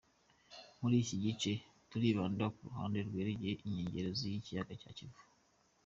Muri iki gice, turibanda ku ruhande rwegereye inkengero z’ikiyaga cya Kivu.